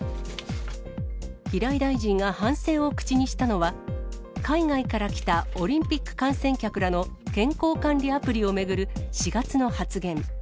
平井大臣が反省を口にしたのは、海外から来たオリンピック観戦客らの健康管理アプリを巡る４月の発言。